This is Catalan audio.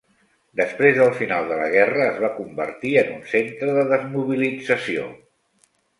Després del final de la guerra, es va convertir en un centre de desmobilització.